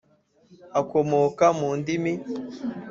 akomoka mu ndimi